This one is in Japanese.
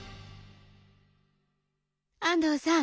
安藤さん